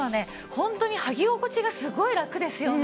本当にはき心地がすごいラクですよね。